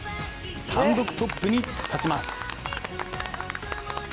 単独トップに立ちます。